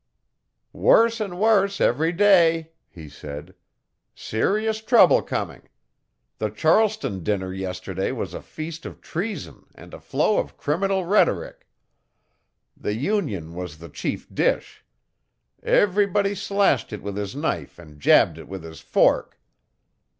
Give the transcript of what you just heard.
'Worse and worse every day,' he said. 'Serious trouble coming! The Charleston dinner yesterday was a feast of treason and a flow of criminal rhetoric. The Union was the chief dish. Everybody slashed it with his knife and jabbed it with his fork.